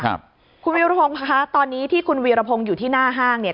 ครับคุณวีรพงศ์ค่ะตอนนี้ที่คุณวีรพงศ์อยู่ที่หน้าห้างเนี่ย